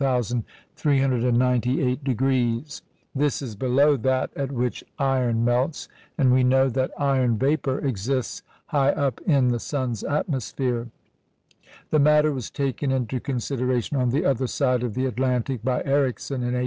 This is below that at which iron melts, and we know that iron vapour exists high up in the sun's atmosphere. The matter was taken into consideration on the other side of the Atlantic by Ericsson in 1871.